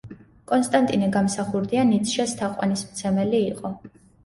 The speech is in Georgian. კონსტანტინე გამსახურდია ნიცშეს თაყვანისმცემელი იყო.